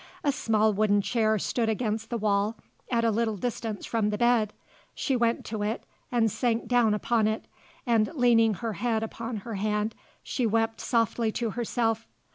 A small wooden chair stood against the wall at a little distance from the bed. She went to it and sank down upon it, and leaning her head upon her hand she wept softly to herself.